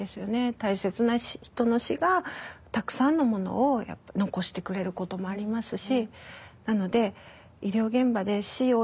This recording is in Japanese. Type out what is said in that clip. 大切な人の死がたくさんのものを残してくれることもありますし。